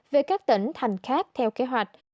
về các tỉnh thành khác theo kế hoạch